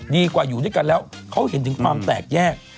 อยู่ด้วยกันแล้วเขาเห็นถึงความแตกแยก